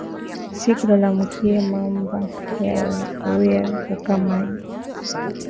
Usi kalamukiye mamba na auya vuka maji